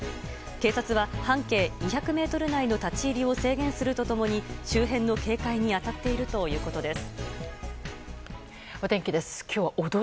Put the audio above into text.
警察は半径２００ｍ内の立ち入りを制限すると共に周辺の警戒に当たっているということです。